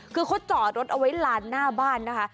คือเขาจอดรถเอาไว้ลานหน้าบ้านนะคะ